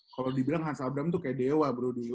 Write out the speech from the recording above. kalo dibilang hans abraham tuh kayak dewa bro dulu